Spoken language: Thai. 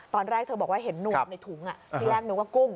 ตอนแรกเธอบอกว่าเห็นหนวกในถุง